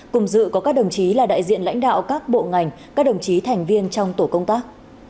cùng dự có các đồng chí là đại diện lãnh đạo các bộ ngành các đồng chí thành viên trong tổ công tác